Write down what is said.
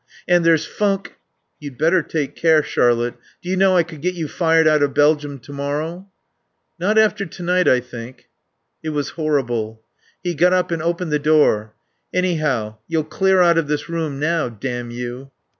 "And there's funk " "You'd better take care, Charlotte. Do you know I could get you fired out of Belgium to morrow?" "Not after to night, I think." (It was horrible.) He got up and opened the door. "Anyhow, you'll clear out of this room now, damn you."